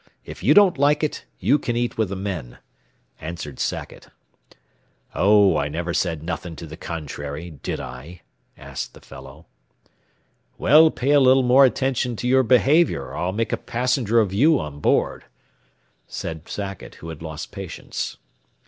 If you don't like it, you can eat with the men," answered Sackett. "Oh, I never said nothin' to the contrary, did I?" asked the fellow. "Well, pay a little more attention to your behavior, or I'll make a passenger of you on board," said Sackett, who had lost patience.